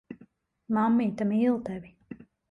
Mammīte mīl tevi.